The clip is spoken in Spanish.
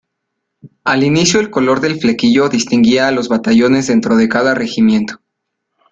Al inicio el color del flequillo distinguía a los batallones dentro de cada regimiento.